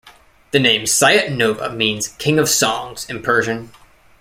The name Sayat-Nova means "King of Songs" in Persian.